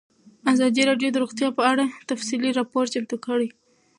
ازادي راډیو د روغتیا په اړه تفصیلي راپور چمتو کړی.